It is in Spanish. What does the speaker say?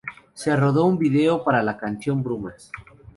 Se rodó un vídeo para la canción "Brumas".